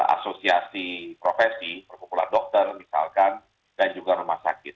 asosiasi profesi perkumpulan dokter misalkan dan juga rumah sakit